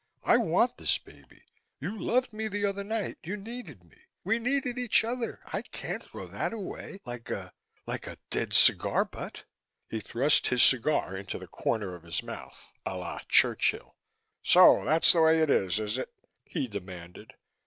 I want this baby. You loved me the other night. You needed me. We needed each other. I can't throw that away, like a like a dead cigar butt." He thrust his cigar into the corner of his mouth, a la Churchill. "So that's the way it is, is it?" he demanded.